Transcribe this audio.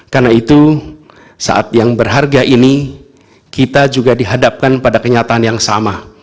karena itu saat yang berharga ini kita juga dihadapkan pada kenyataan yang sama